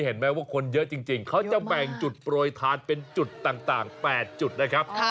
เห็นไหมว่าคนเยอะจริงเขาจะแบ่งจุดโปรยทานเป็นจุดต่าง๘จุดนะครับ